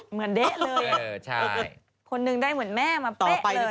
เด๊ะเลยคนหนึ่งได้เหมือนแม่มาเป๊ะเลย